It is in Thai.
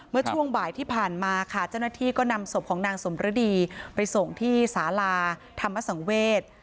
เมื่อช่วงบ่ายที่ผ่านมาค่ะเจ้าหน้าที่ก็นำศพของนางสมฤดีไปส่งที่สาลาธรรมสังเวศ